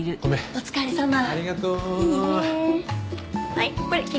お疲れさま。